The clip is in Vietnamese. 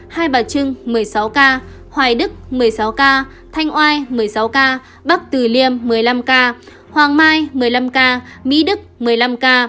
hai bà trưng một mươi sáu ca hoài đức một mươi sáu ca thanh oai một mươi sáu ca bắc từ liêm một mươi năm ca hoàng mai một mươi năm ca mỹ đức một mươi năm ca